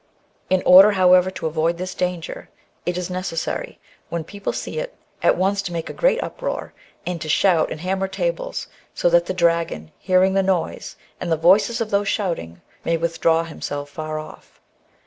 In order however to avoid this danger, it is necessary, when people see it, at once to make a great uproar, and to shout and hammer tables, so that the dragon, hearing the noise. 174 THE BOOK OF WERE WOLVES. and the voices of those shouting, may withdraw himself far off.